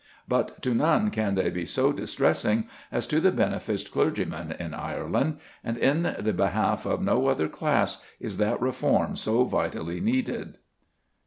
But to none can they be so distressing as to the beneficed clergyman in Ireland; and in the behalf of no other class is that reform so vitally needed.